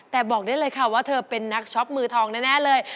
แต่บอกได้เลยค่ะว่าที่นักช้อปมือทองน่าเลย